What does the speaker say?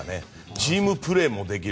チームプレーもできる。